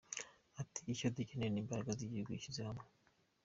Ati :” Icyo dukeneye n’imbaraga z’igihugu zishyize hamwe”.